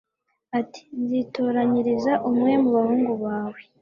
ati nzitoranyiriza umwe mu bahungu bawe